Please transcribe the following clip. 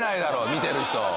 見てる人。